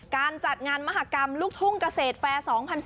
การจัดงานมหากรรมลูกทุ่งเกษตรแฟร์๒๐๑๘